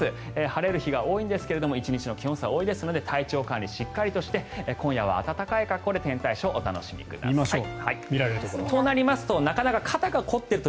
晴れる日が多いんですが１日の気温差が大きいですので体調管理をしっかりとして今夜は暖かい格好で天体ショーをお楽しみください。